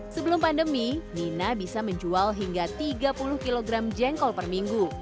sebelum pandemi nina bisa menjual hingga tiga puluh kg jengkol per minggu